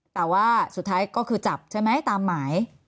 แต่ว่าสุดท้ายก็คือจับใช่ไหมตามหมาย